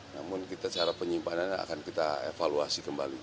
namun kita cara penyimpanan akan kita evaluasi kembali